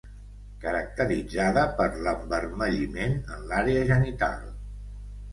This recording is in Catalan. Caracteritzada per envermelliment en l'àrea genital.